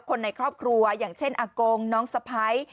คนในครอบครัวอย่างเช่นอากงน้องสะพ้าย